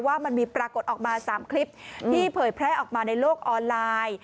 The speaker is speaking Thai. ว่ามันมีปรากฏออกมา๓คลิปที่เผยแพร่ออกมาในโลกออนไลน์